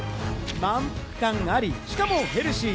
満腹感があり、しかもヘルシー！